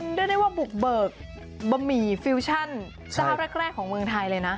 เรียกได้ว่าบุกเบิกบะหมี่ฟิวชั่นเจ้าแรกของเมืองไทยเลยนะ